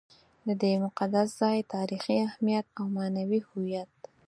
د دې مقدس ځای تاریخي اهمیت او معنوي هویت.